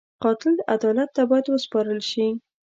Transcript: قاتل عدالت ته باید وسپارل شي